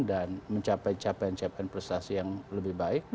dan mencapai capaian prestasi yang lebih baik